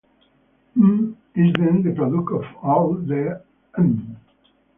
"M" is then the product of all the "m".